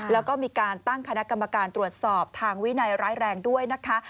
แล้วก็มีการตั้งคณะกรรมการตรวจสอบทางวินัยร้ายแรงด้วยนะคะ